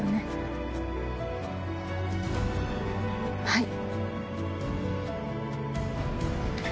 はい。